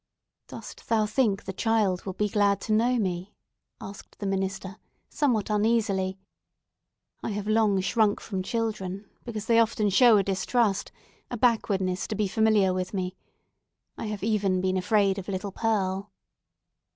"Dost thou think the child will be glad to know me?" asked the minister, somewhat uneasily. "I have long shrunk from children, because they often show a distrust—a backwardness to be familiar with me. I have even been afraid of little Pearl!"